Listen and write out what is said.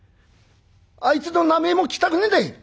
あいつの名前も聞きたくねえんだい。